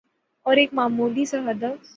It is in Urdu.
اور ایک معمولی سا ہدف